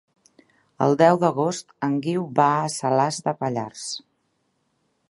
El deu d'agost en Guiu va a Salàs de Pallars.